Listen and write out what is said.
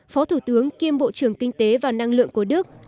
phó thủ tướng kiêm bộ trưởng kinh tế và năng lượng của đức